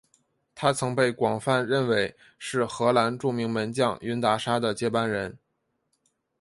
他曾被广泛认为是荷兰著名门将云达沙的接班人。